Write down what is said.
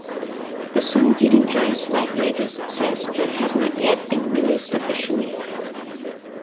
The song did enjoy slight radio success, but has not yet been released officially.